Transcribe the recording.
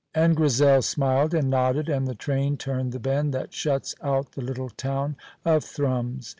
And Grizel smiled and nodded, and the train turned the bend that shuts out the little town of Thrums.